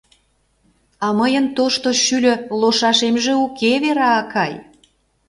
— А мыйын тошто шӱльӧ ложашемже уке, Вера акай.